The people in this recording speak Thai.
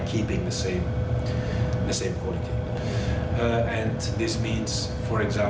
ข้ารอดยอดทีม